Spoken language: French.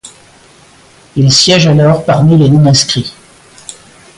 Il siège alors parmi les Non-inscrits.